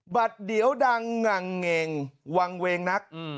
บัตรเดี๋ยวดังงังเงงวางเวงนัก